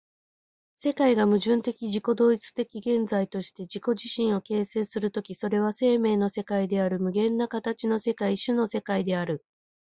世界が矛盾的自己同一的現在として自己自身を形成する時、それは生命の世界である、無限なる形の世界、種の世界である。